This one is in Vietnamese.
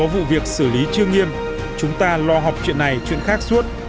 vụ việc xử lý chưa nghiêm chúng ta lo học chuyện này chuyện khác suốt